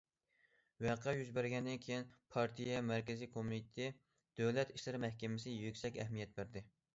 ۋەقە يۈز بەرگەندىن كېيىن، پارتىيە مەركىزىي كومىتېتى، دۆلەت ئىشلىرى مەھكىمىسى يۈكسەك ئەھمىيەت بەردى.